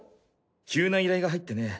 急な依頼が入ってね。